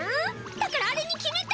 だからあれに決めた！